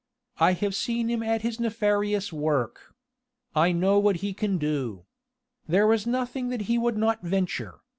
I have seen him at his nefarious work. I know what he can do. There is nothing that he would not venture